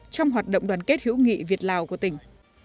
trong hoạt động đoàn kết hữu nghị việt lào của tỉnh